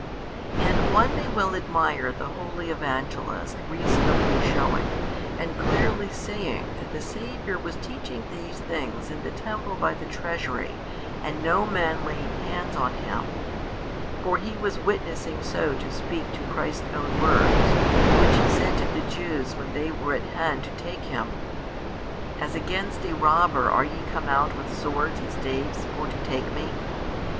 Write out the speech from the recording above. And one may well admire the holy Evangelist reasonably shewing, and clearly saying that the Saviour was teaching these things in the temple by the Treasury and no man laid hands on Him: for he was witnessing so to speak to Christ's own words, which He said to the Jews when they were at hand to take Him, As against' a robber are ye come out with swords and staves for to take Me?